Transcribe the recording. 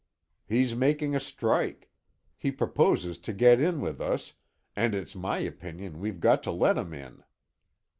He's making a strike. He proposes to get in with us, and it's my opinion we've got to let him in."